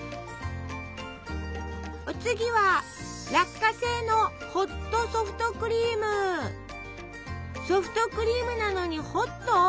お次はソフトクリームなのにホット？